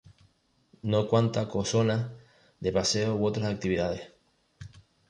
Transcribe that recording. No cuanta co zonas de paseo u otras actividades